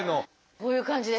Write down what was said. こういう感じです。